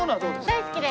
大好きです。